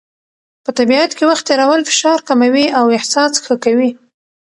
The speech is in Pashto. په طبیعت کې وخت تېرول فشار کموي او احساس ښه کوي.